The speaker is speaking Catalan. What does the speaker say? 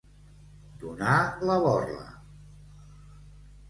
Donar la borla.